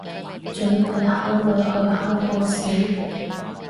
準備考慮去考個試